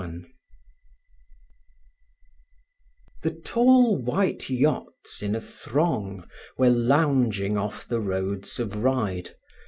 XXI The tall white yachts in a throng were lounging off the roads of Ryde.